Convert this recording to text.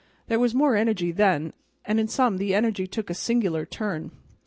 There was more energy then, and in some the energy took a singular turn.